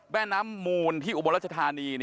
แม่น้ำมูลที่อุบลรัชธานี